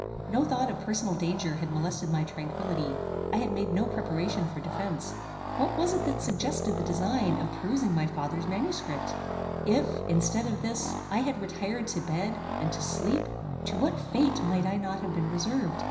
No thought of personal danger had molested my tranquillity. I had made no preparation for defence. What was it that suggested the design of perusing my father's manuscript? If, instead of this, I had retired to bed, and to sleep, to what fate might I not have been reserved?